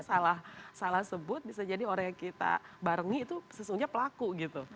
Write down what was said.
salah salah sebut bisa jadi orang yang kita barengi itu sesungguhnya pelaku gitu